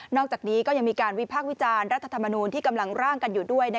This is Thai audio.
อกจากนี้ก็ยังมีการวิพากษ์วิจารณ์รัฐธรรมนูลที่กำลังร่างกันอยู่ด้วย